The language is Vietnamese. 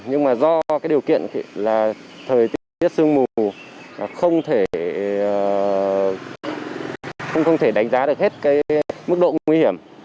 nhưng do điều kiện thời tiết sương mù không thể đánh giá được hết mức độ nguy hiểm